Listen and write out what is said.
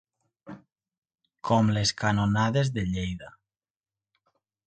Com les canonades de Lleida.